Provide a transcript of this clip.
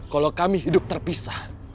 kalau kami hidup terpisah